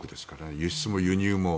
輸出も輸入も。